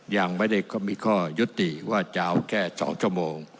ยังไม่ได้มีข้อยุติว่าจะเอาแค่๒ชั่วโมง